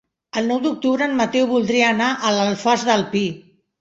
El nou d'octubre en Mateu voldria anar a l'Alfàs del Pi.